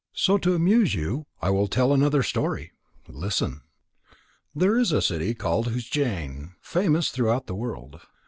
So to amuse you, I will tell another story. Listen." There is a city called Ujjain, famous throughout the world.